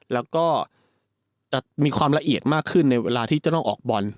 แล้วก็จะมีความละเอียดมากขึ้นในเวลาที่จะต้องออกบอล